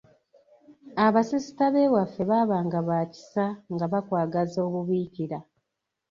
Abasisita b’ewaffe baabanga ba kisa nga bakwagaza obubiikira.